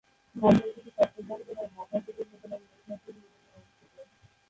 মাদ্রাসাটি চট্টগ্রাম জেলার হাটহাজারী উপজেলার মির্জাপুর ইউনিয়নে অবস্থিত।